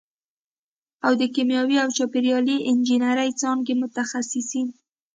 او د کیمیاوي او چاپېریالي انجینرۍ څانګې متخصصین